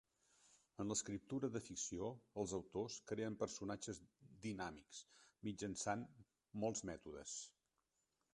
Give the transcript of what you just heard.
En l'escriptura de ficció, els autors creen personatges dinàmics mitjançant molts mètodes.